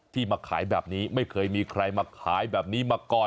มาขายแบบนี้ไม่เคยมีใครมาขายแบบนี้มาก่อน